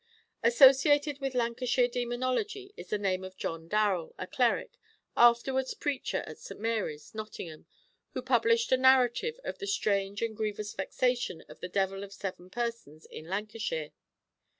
Associated with Lancashire demonology is the name of John Darrell, a cleric, afterwards preacher at St. Mary's, Nottingham, who published a narrative of the strange and grievous vexation of the devil of seven persons in Lancashire.